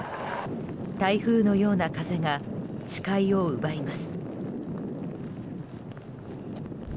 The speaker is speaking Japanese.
台風のような風が視界を奪います。